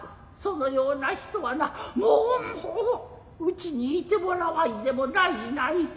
そのような人はなもううちに居て貰わいでも大事無い。